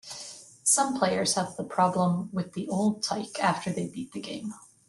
Some players have the problem with the old tyke after they beat the game.